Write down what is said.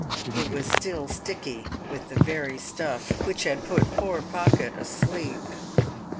It was still sticky with the very stuff which had put poor Pocket asleep.